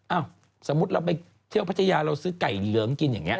สมมุติเราไปเที่ยวพัทยาเราซื้อไก่เหลืองกินอย่างนี้